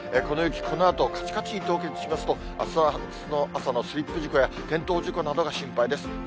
この雪、このあと、かちかちに凍結しますと、あすの朝のスリップ事故や転倒事故などが心配です。